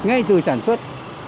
ngay từ sản xuất